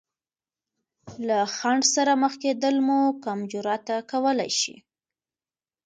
له خنډ سره مخ کېدل مو کم جراته کولی شي.